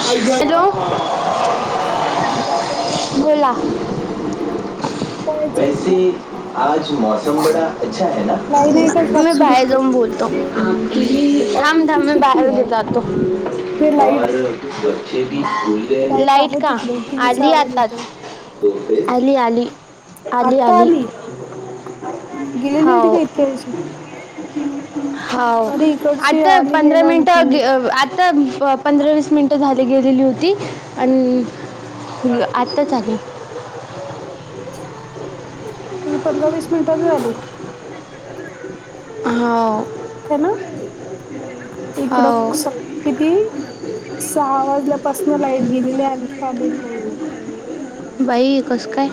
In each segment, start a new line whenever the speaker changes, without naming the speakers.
Hello,
नाही
बोला
[inaudible]
वैसे आज मौसम बडा अच्छा ह ना?
नाही एकच
म
पक्ष
भाय
तिकडे
जाऊन बोलतो. [inaudible] थांब थांब मी बाहेर जातो. [inaudible]
ते लाईट लाईट
लाइट
आहे
का?
तिकडे टीव्हीचा
आली
आवाज
आत्ताच.
येतोय
[inaudible] आली आली आली आली,,
गेलेली होती का इतक्या वेळची?
हो
अरे इकडची
आता
आली नाही
पंधरा
ना
मिनिट,
आणखी म्हणजे
आता पंधरा वीस मिनट झाले गेलेली होती, आणि आत्ताच आली.
मी पंधरा वीस मिनिटात आले.
हो [inaudible]
ह ना, इकडं
हाव
स किती सहा वाजल्यापासन लाईट गेली आहे, आणखी आलेली नाहीये.
बाई कसं काय?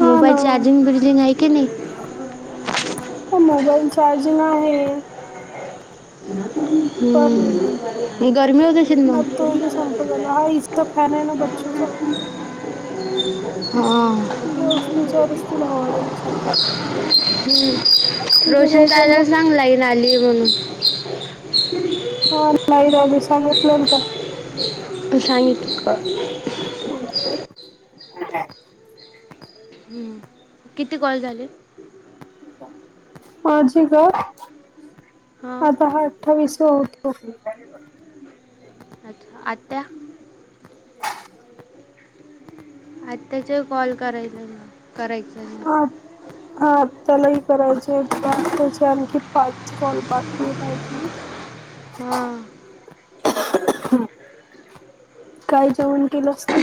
हा ना
मोबाईल चार्जिंग बीर्जिंगआहे की नाही?
अ मोबाईल चार्जिंग आहे. पण
हम्म, गर्मी होत अशील मग?
झा हा [unintelligible] इचा फॅन आहे ना बच्चूचा
हा [inaudible]
वस्तीच्या रस्तीला हवं देवस्थान
हम्म रोशन
त्यांना
दादाला सांग लाईट आली म्हणून
हं लाईट आली सांगितलं मी त्याला
तू सांगितलंस का?
[inaudible]
हम्म किती गोळा झालेत
आजी गं
हां
आता हाय [unintelligible]
अच्छा आत्या आत्याचे कॉल करायला करायचं ना
हा आत्यालाही करायचेत कॉल त्याचे आणखी पाच कॉल बाकी हायती
हा
काय जेवण केलंस तू?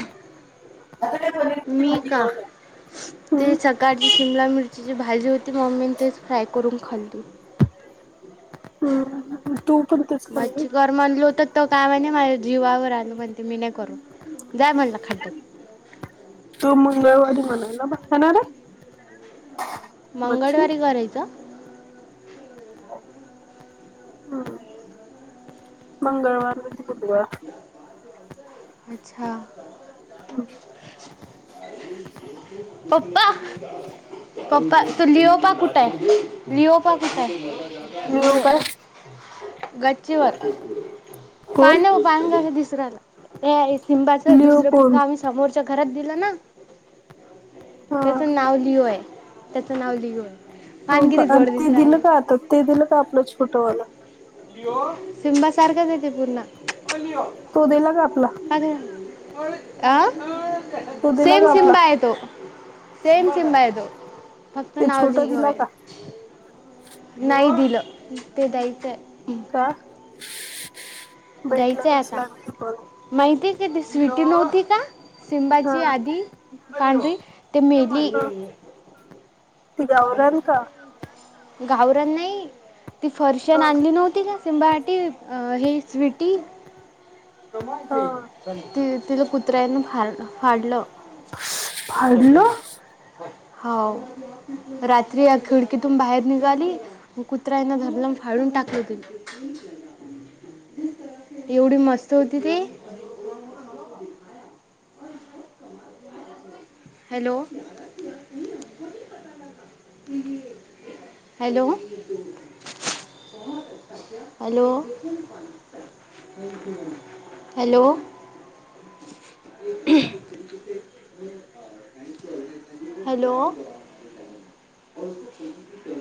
मी का
[unintelligible]
ते
हम्म
सकाळची शिमला मिरचीची भाजी होती मम्मी तेच फ्राय करून खाली.
हम् म्हंटलं तू पण तेच
[unintelligible]
खाल्ली.
म्हणलो तर तो काय म्हने माझ्या जीवावर आलो म्हणते मी नाही करू जा म्हणलं खड्ड्यात
तो मंगळवारी म्हणालाय हो ना रे
मंगळवारी घरीय का?
मंगळवार म्हणजे
अच्छा पप्पा पप्पा तो लिओपा कुठाय? लिओपा कुठाय?
मी येऊ काय?
गच्चीवर
कोण
पाण्या व पान का दिसू राहिला शिंबाचं
लिओ
दुसरं
कोण?
पिल्लं समोरच्या घरात दिलं ना
हा
त्याच नाव लिओ हाय त्याचं नाव लिओ आहे
हो
पान किती
का
गोड
ते
दिसू
दिलं का
राहिलं
आता ते दिलं का आपलं छोटवालं
सिम्बा सारखाचं हाय ते पुर्ण
तो दिला का आपला?
अ अ
तो दिला
सेम
का आपला
सिम्बा आहेे तो सेम सिंम्बा हाय तो फक्त
ते छोटा
नावलीग
दिला
होय
का
नाही दिलं, ते द्यायचंय
का? भेटला
द्यायचंय आता,
नसला आणखी कोण
माहितीय का ती स्वीटी नव्हती का?
हा
सिंबाची आदी पांढरी, ते मेली.
हा ते गावरान का
गावरान नाही, ती फरशन
हा
आणली नव्हती का? सिमबाॅटिक हे स्वीटी,
हा
तिला कुत्र्यांनं फाड फाडलं.
फाडलं
हा रात्री या खिडकीतून बाहेर निघाली. मग कुत्र्यानं धरलं अन फाडून टाकलं तीला.
ह
एवढी मस्त होती ती. Hello. Hello. Hello. Hello. Hello. [inaudible]